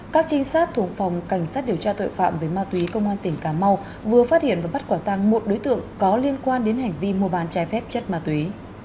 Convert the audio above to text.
các trinh sát thuộc phòng cảnh sát điều tra tội phạm về ma túy công an tỉnh cà mau vừa phát hiện và bắt quả tăng một đối tượng có liên quan đến hành vi mua bàn trái phép chất ma túy